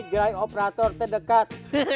gaya operator terdekat